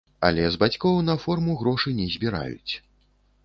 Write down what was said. Але з бацькоў на форму грошы не збіраюць.